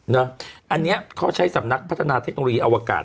อันนี้เขาใช้สำนักพัฒนาเทคโนโลยีอวกาศ